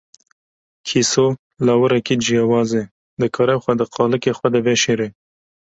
Kîso, lawirekî ciyawaz e, dikare xwe di qalikê xwe de veşêre.